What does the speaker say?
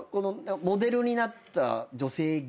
モデルになった女性芸人さん。